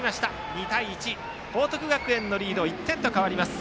２対１、報徳学園のリードは１点と変わります。